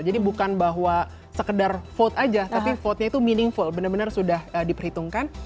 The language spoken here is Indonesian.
jadi bukan bahwa sekedar vote aja tapi vote nya itu meaningful benar benar sudah diperhitungkan